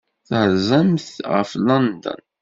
Terzamt ɣef London.